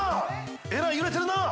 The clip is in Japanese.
えらい揺れてるなあ。